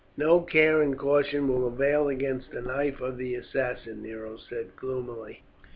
"No care and caution will avail against the knife of the assassin," Nero said gloomily.